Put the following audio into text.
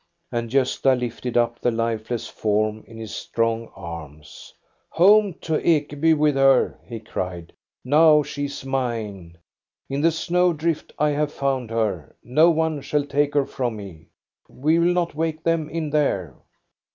And Gosta lifted up the lifeless form in his strong arms. " Home to Ekeby with her !" he cried. " Now she is mine. In the snow drift I have found her ; no one shall take her from me. We will not wake them in there.